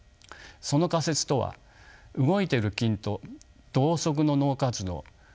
その仮説とは動いている筋と同側の脳活動